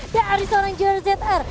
di seorang juror zr